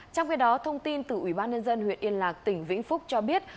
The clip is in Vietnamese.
trong khi đó thông tin từ ủy ban nhân dân huyện yên lạc tỉnh vĩnh phúc cho biết